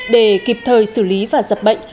để kịp thời xử lý và dập bệnh